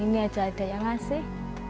ini aja ada yang ngasih